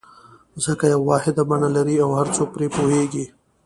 ځکه یوه واحده بڼه لري او هر څوک پرې پوهېږي.